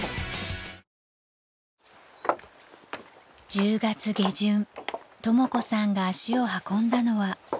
［１０月下旬とも子さんが足を運んだのは］